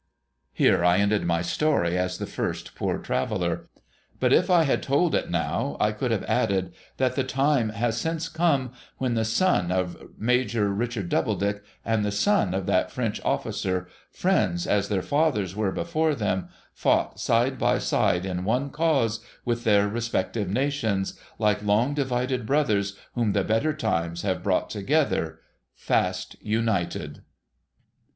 Here I ended my story as the first Poor Traveller. But, if I had told it now, I could have added that the time has since come when the son of Major Richard Doubledick, and the son of that French officer, friends as their fathers were before them, fought side by side in one cause, with their respective nations, like long divided brothers whom the better times have brought together, fast united.